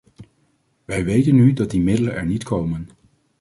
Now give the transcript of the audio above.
Wij weten nu dat die middelen er niet komen.